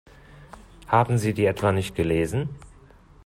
Haben Sie die etwa nicht gelesen?